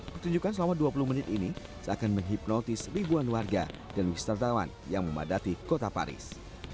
pertunjukan selama dua puluh menit ini seakan menghipnotis ribuan warga dan wisatawan yang memadati kota paris